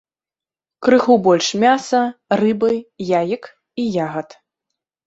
Крыху больш мяса, рыбы, яек і ягад.